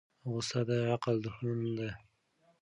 غصه د عقل دښمنه ده.